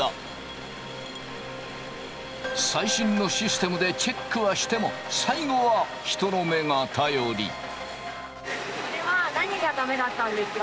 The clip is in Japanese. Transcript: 最新のシステムでチェックはしても最後は人の目が頼り。